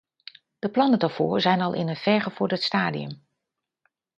De plannen daarvoor zijn al in een vergevorderd stadium.